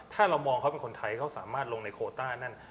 ถ้าเรามองเขาเป็นคนไทยเขาสามารถลงในโคต้านั่น